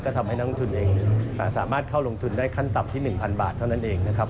ทำให้นักลงทุนเองสามารถเข้าลงทุนได้ขั้นต่ำที่๑๐๐บาทเท่านั้นเองนะครับ